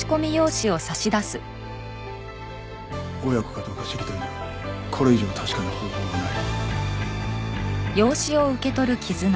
親子かどうか知りたいならこれ以上確かな方法はない。